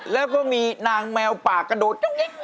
แล้วก็มีนางแมวปากะโดด